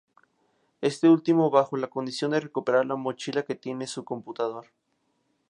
Este último bajo la condición de recuperar la mochila que tiene su computador.